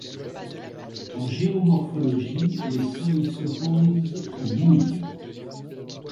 En géomorphologie, les seuils s'opposent aux mouilles.